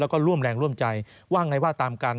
แล้วก็ร่วมแรงร่วมใจว่าไงว่าตามกัน